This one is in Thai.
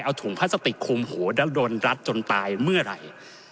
เอาถุงพลาสติกคุมหัวแล้วโดนรัดจนตายเมื่อไหร่